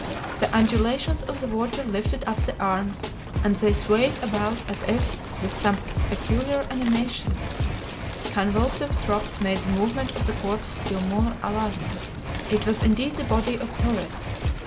The undulations of the water lifted up the arms, and they swayed about as if with some peculiar animation. Convulsive throbs made the movement of the corpse still more alarming. It was indeed the body of Torres.